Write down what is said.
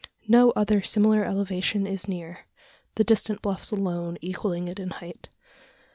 No other similar elevation is near the distant bluffs alone equalling it in height.